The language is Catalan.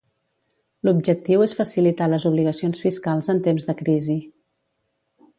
L'objectiu és facilitar les obligacions fiscals en temps de crisi.